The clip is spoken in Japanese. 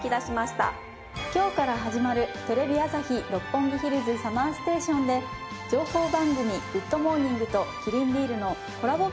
今日から始まるテレビ朝日・六本木ヒルズＳＵＭＭＥＲＳＴＡＴＩＯＮで情報番組『グッド！モーニング』とキリンビールのコラボ